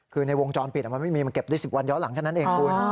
คือในวงจรปิดมันไม่มีมันเก็บได้๑๐วันย้อนหลังแค่นั้นเองคุณ